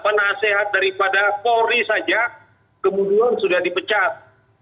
penasehat daripada polri saja kemudian sudah dipecat